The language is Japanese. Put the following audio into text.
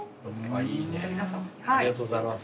ありがとうございます。